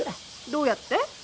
どうやって？